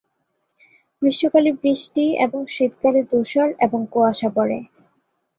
গ্রীষ্মকালে বৃষ্টি এবং শীতকালে তুষার এবং কুয়াশা পড়ে।